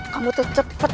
kamu tuh cepet